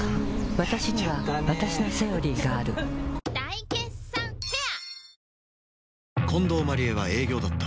わたしにはわたしの「セオリー」がある大決算フェア